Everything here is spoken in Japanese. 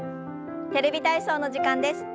「テレビ体操」の時間です。